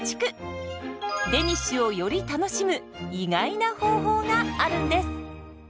デニッシュをより楽しむ意外な方法があるんです。